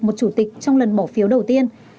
một chủ tịch trong lần bỏ phiếu đầu tiên